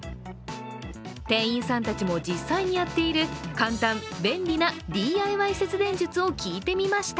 店員さんたちも実際にやっている簡単便利なＤＩＹ節電術を聞いててみました。